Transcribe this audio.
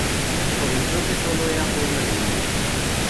Por entonces solo era pueblo de indios.